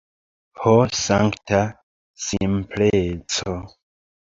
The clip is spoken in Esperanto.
Ho sankta simpleco!